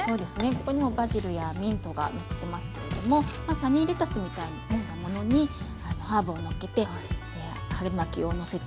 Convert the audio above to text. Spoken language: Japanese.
ここにもバジルやミントがのせてますけれどもサニーレタスみたいなものにハーブをのっけて春巻きをのせて。